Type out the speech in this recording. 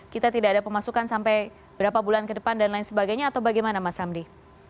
kita tidak ada pemasukan sampai berapa bulan ke depan dan lain sebagainya atau bagaimana mas hamdi